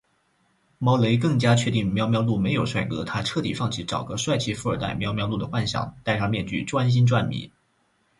猫雷更加确定喵喵露没有帅哥，她彻底放弃找个帅气富二代喵喵露的幻想，戴上面具专心赚米